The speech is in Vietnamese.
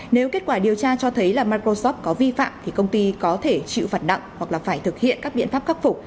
nếu kết quả điều tra cho thấy là microsoft có vi phạm thì công ty có thể chịu phạt nặng hoặc là phải thực hiện các biện pháp khắc phục